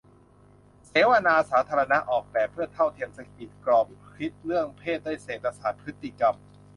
เสวนาสาธารณะ "ออกแบบเพื่อเท่าเทียม 'สะกิด' กรอบคิดเรื่องเพศด้วยเศรษฐศาสตร์พฤติกรรม"